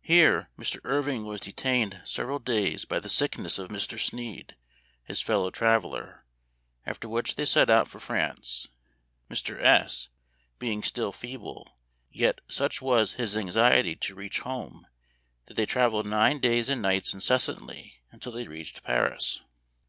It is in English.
Here Mr. Irving was detained several days by the sickness of Mr. Snead, his fellow traveler, after which they set out for France, Mr. S. being still feeble ; yet such was his anxiety to reach home that they traveled nine days and nights incessantly until they reached Paris.